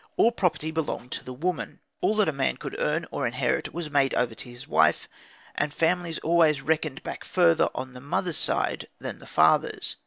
All property belonged to the woman; all that a man could earn, or inherit, was made over to his wife; and families always reckoned back further on the mother's side than the father's.